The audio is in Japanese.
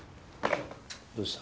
どうした？